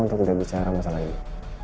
untuk tidak bicara masalah ini